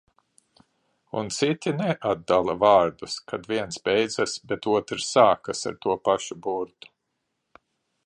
Un citi neatdala vārdus, kad viens beidzas, bet otrs sākas ar to pašu burtu.